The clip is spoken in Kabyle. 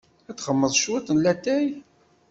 Ad d-xedmeɣ cwiṭ n latay.